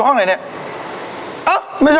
ไม่ต้องกลับมาที่นี่